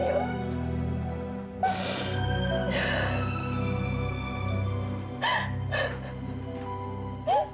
terima kasih pak